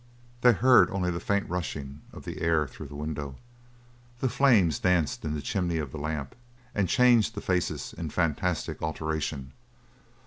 They heard only the faint rushing of the air through the window. The flame danced in the chimney of the lamp and changed the faces in phantastic alteration.